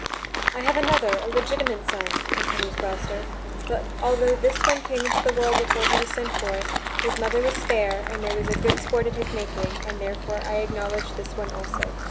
"I have another, a legitimate son," continues Gloucester, "but altho this one came into the world before he was sent for, his mother was fair and there was good sport at his making, and therefore I acknowledge this one also."